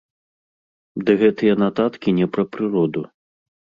Ды гэтыя нататкі не пра прыроду.